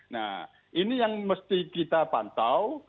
nah ini yang mesti kita pantau